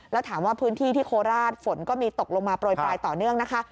แล้วถามว่าพื้นที่ที่โคราชฝนก็มีตกลงมาโปรยปลายต่อเนื่องนะคะ